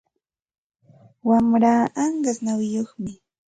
Wamraa anqas nawiyuqmi.